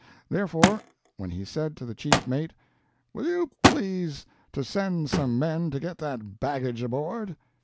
Therefore when he said to the chief mate, "Will you please to send some men to get that baggage aboard?"